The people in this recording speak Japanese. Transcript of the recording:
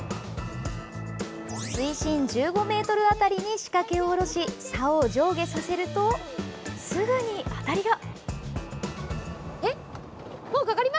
水深１５ｍ辺りに仕掛けを下ろしさおを上下させるとすぐにアタリが！